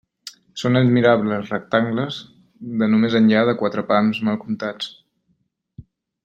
Són admirables rectangles de no més enllà de quatre pams mal comptats.